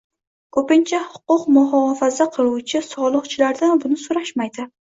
Ko‘pincha huquq muhofaza qiluvchilar soliqchilardan buni so‘rashmaydi.